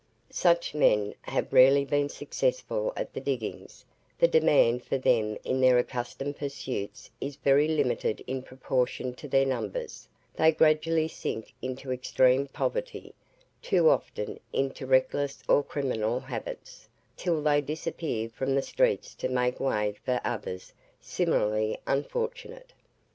Such men have rarely been successful at the diggings; the demand for them in their accustomed pursuits is very limited in proportion to their numbers; they gradually sink into extreme poverty too often into reckless or criminal habits till they disappear from the streets to make way for others similarly unfortunate.